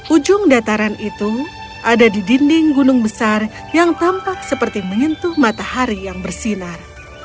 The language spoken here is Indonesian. ujung dataran itu ada di dinding gunung besar yang tampak seperti menyentuh matahari yang bersinar